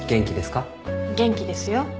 元気ですよ。